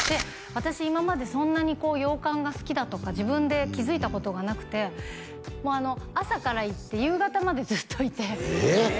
私今までそんなにこう洋館が好きだとか自分で気づいたことがなくてもうあの朝から行って夕方までずっといてえっ？